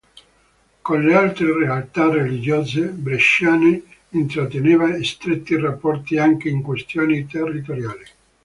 Con le altre realtà religiose bresciane intratteneva stretti rapporti anche in questioni territoriali.